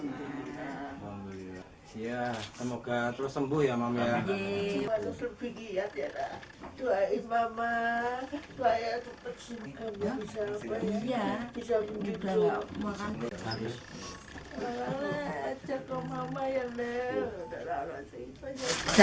ya semoga terus sembuh ya mama ya